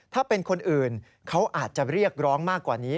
ถ้าเป็นคนอื่นเขาอาจจะเรียกร้องมากกว่านี้